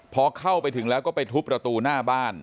พอเข้าไปถึงแล้วก็ไปทุบประตูหน้าบ้าน